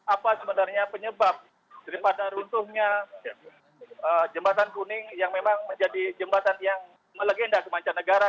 apa sebenarnya penyebab daripada runtuhnya jembatan kuning yang memang menjadi jembatan yang melegenda kemanca negara